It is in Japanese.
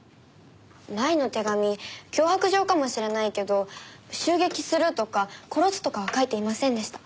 前の手紙脅迫状かもしれないけど襲撃するとか殺すとかは書いていませんでした。